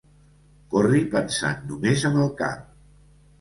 Corri pensant només amb el cap.